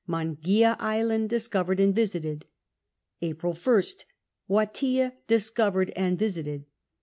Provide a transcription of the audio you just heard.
Mangeea Island discovered and visited. April 1st. Wateea discovered and visited.